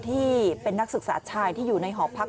ที่เป็นนักศึกษาชายที่อยู่ในหอพัก